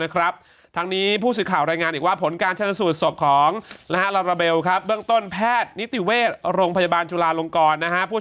ทางนี้ผู้สื่อข่าวรายงานอีกว่าผลการชนสูตรศพของลาลาเบลเบื้องต้นแพทย์นิติเวชโรงพยาบาลจุลาลงกร